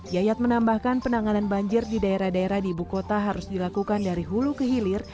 yayat menambahkan penanganan banjir di daerah daerah di ibu kota harus dilakukan dari hulu ke hilir